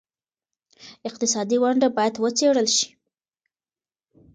اقتصادي ونډه باید وڅېړل شي.